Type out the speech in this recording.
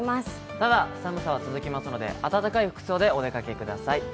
ただ、寒さは続きますので暖かい服装でお出かけください。